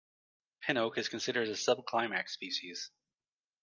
Pin oak is considered a subclimax species.